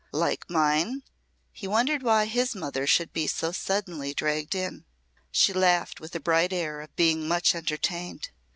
"Like mine?" He wondered why his mother should be so suddenly dragged in. She laughed with a bright air of being much entertained.